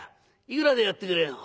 「いくらでやってくれる？」。